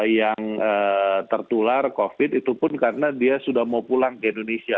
yang tertular covid itu pun karena dia sudah mau pulang ke indonesia